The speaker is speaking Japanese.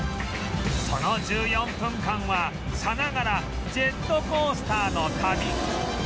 その１４分間はさながらジェットコースターの旅